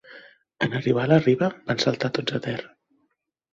En arribar a la riba, van saltar tots a terra.